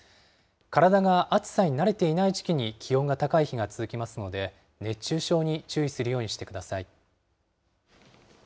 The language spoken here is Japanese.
体が暑さに慣れていない時期に、気温が高い日が続きますので、熱中症に注意するようにしてください。